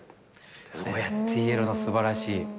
そうやって言えるの素晴らしい。